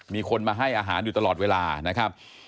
มีคนมาให้อาหารอยู่ตลอดเวลานะครับ